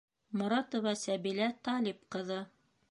Моратова Сәбилә Талип ҡыҙы.